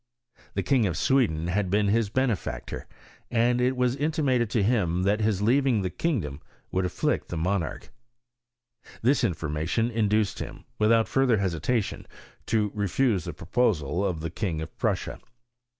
The King of Sweden had been his benefactor, and it was intimated to him that his leaving the kingdom would afflict that monarch. This information induced him, without further hesitation, to refuse the pro posals of the King of Prussia.